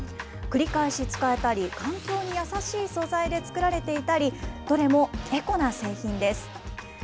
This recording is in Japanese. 繰り返し使えたり、環境に優しい素材で作られていたり、どれもエコな製品です。